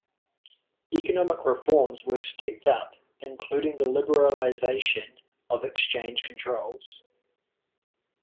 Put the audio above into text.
Economic reforms were stepped up, including the liberalization of exchange controls.